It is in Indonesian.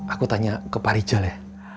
aku tanya ke pak rijal ya